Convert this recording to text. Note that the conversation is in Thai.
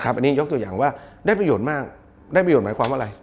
อันนี้ยกตัวอย่างว่าได้ประโยชน์มากได้ประโยชนหมายความว่าอะไร